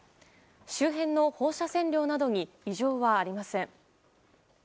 周辺の放射線量などに異常はありません。